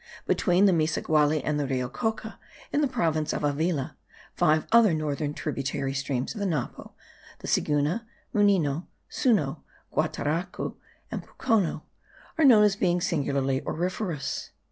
Between the Misagualli and the Rio Coca, in the province of Avila, five other northern tributary streams of the Napo (the Siguna, Munino, Suno, Guataracu, and Pucono) are known as being singularly auriferous.